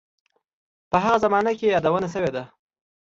په هغه زمانه کې یې یادونه شوې ده.